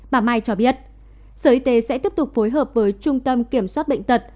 bà mai cho biết sở y tế sẽ tiếp tục phối hợp với trung tâm kiểm soát bệnh tật